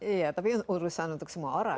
iya tapi urusan untuk semua orang